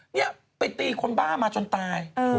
นี่ไปตีคนบ้ามาจนตาย